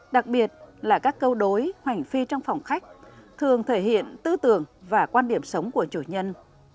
đặc biệt là các câu đối hoành phi trong phòng khách thường thể hiện tư tưởng và quan điểm sống của chủ nhân